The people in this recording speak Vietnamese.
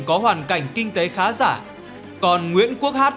có hoàn cảnh kinh tế khá giả còn nguyễn quốc hát